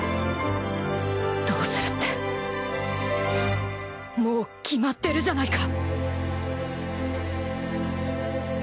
どうするってもう決まってるじゃないか！